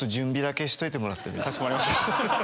かしこまりました。